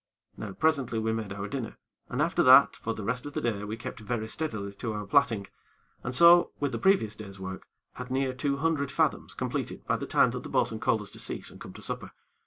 Now, presently, we made our dinner, and after that for the rest of the day we kept very steadily to our plaiting, and so, with the previous day's work, had near two hundred fathoms completed by the time that the bo'sun called us to cease and come to supper.